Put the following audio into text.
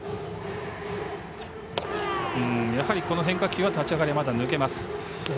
やはり変化球は立ち上がりまだ抜けます。